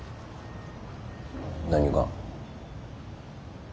何が？